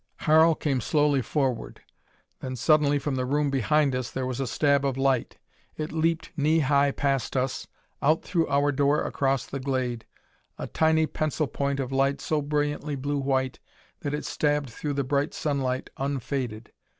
Harl came slowly forward. Then suddenly from the room behind us there was a stab of light. It leaped knee high past us, out through our door across the glade a tiny pencil point of light so brilliantly blue white that it stabbed through the bright sunlight unfaded.